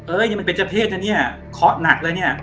นี่มันเป็นเจ้าเพศนะเนี่ยเคาะหนักเลยเนี่ย